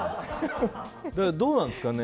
どうなんですかね。